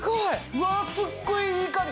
うわっすっごいいい香り。